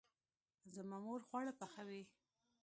زما مور خواړه پخوي